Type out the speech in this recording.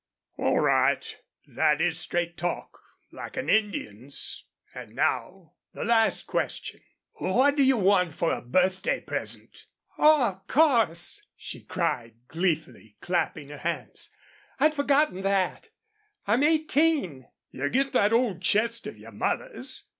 "All right. That is straight talk, like an Indian's. An' now the last question what do you want for a birthday present?" "Oh, of course," she cried, gleefully clapping her hands. "I'd forgotten that. I'm eighteen!" "You get that old chest of your mother's.